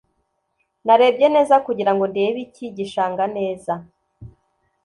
Narebye neza kugirango ndebe iki gishanga neza